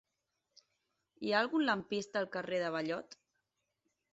Hi ha algun lampista al carrer de Ballot?